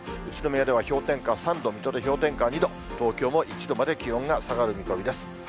宇都宮では氷点下３度、水戸で氷点下２度、東京も１度まで気温が下がる見込みです。